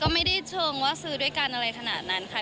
ไม่ได้เชิงว่าซื้อด้วยกันอะไรขนาดนั้นค่ะ